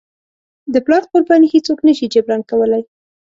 د پلار قرباني هیڅوک نه شي جبران کولی.